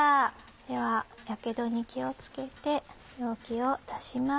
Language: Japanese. ではやけどに気を付けて容器を出します。